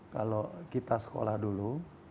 kalau kita sekolah dulu